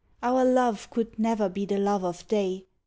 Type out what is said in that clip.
Our love could never be the love of day.